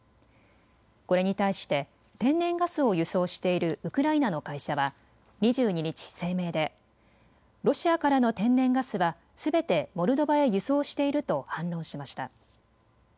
これに対して天然ガスを輸送しているウクライナの会社は２２日、声明でロシアからの天然ガスはすべてモルドバへ輸送していると反論しました。